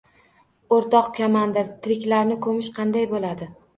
— Urtoq komandir, tiriklarni ko‘mish qanday bo‘ladi?